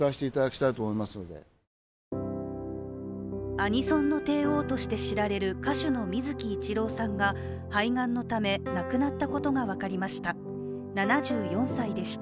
アニソンの帝王をして知られる歌手の水木一郎さんが肺がんのため亡くなったことが分かりました。